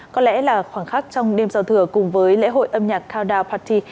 có lẽ là khoảng khắc trong đêm giao thừa cùng với lễ hội âm nhạc countdown party